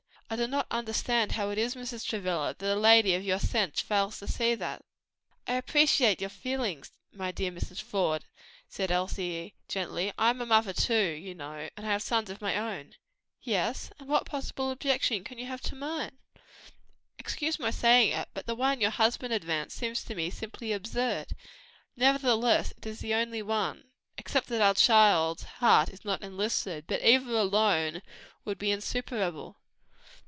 I do not understand how it is, Mrs. Travilla, that a lady of your sense fails to see that." "I appreciate your feelings, my dear Mrs. Faude," said Elsie gently. "I am a mother too, you know, and have sons of my own." "Yes, and what possible objection can you have to mine? Excuse my saying it, but the one your husband advanced, seems to me simply absurd." "Nevertheless it is the only one; except that our child's heart is not enlisted; but either alone would be insuperable."